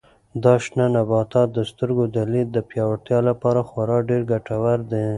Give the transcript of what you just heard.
دا شنه نباتات د سترګو د لید د پیاوړتیا لپاره خورا ډېر ګټور دي.